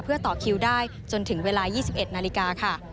เพื่อต่อคิวได้จนถึงเวลา๒๑นาฬิกาค่ะ